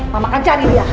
mama akan cari dia